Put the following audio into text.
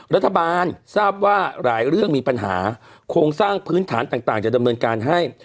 รัฐบาลทราบว่าหลายเรื่องมีปัญหาโครงสร้างพื้นฐานต่างจะดำเนินการให้